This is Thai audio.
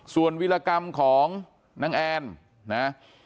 ส่วนวิรากรรมของนางแอนนะ